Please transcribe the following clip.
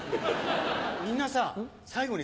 みんなさ最後にさ